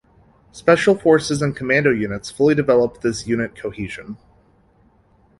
Special forces and commando units fully develop this unit cohesion.